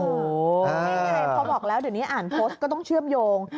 นี่ไงพอบอกแล้วเดี๋ยวนี้อ่านโพสต์ก็ต้องเชื่อมโยง